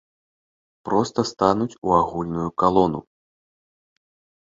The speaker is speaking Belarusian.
Проста стануць у агульную калону.